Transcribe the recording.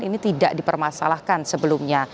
ini tidak dipermasalahkan sebelumnya